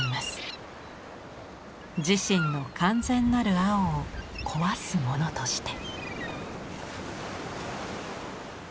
自身の完全なる青を壊すものとして。